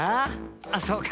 あそうか。